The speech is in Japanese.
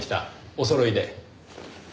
おそろいで。